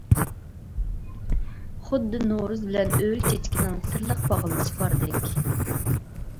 خۇددى نورۇز بىلەن ئۆرۈك چېچىكىنىڭ سىرلىق باغلىنىشى باردەك.